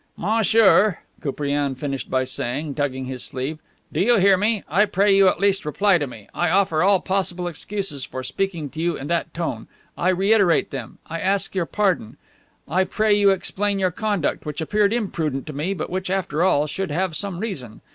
"Monsieur," Koupriane finished by saying, tugging his sleeve, "do you hear me? I pray you at least reply to me. I offer all possible excuses for speaking to you in that tone. I reiterate them. I ask your pardon. I pray you to explain your conduct, which appeared imprudent to me but which, after all, should have some reason.